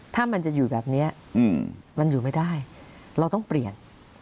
ถ้ามันจะอยู่แบบนี้มันอยู่ไม่ได้เราต้องเปลี่ยน